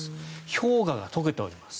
氷河が解けております。